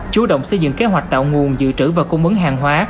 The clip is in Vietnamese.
chú động xây dựng kế hoạch tạo nguồn dự trữ và cung ứng hàng hóa